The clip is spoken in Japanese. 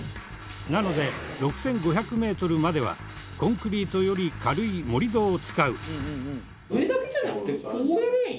なので６５００メートルまではコンクリートより軽い盛土を使う。